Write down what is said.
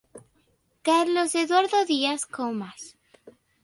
Carlos Eduardo Dias Comas.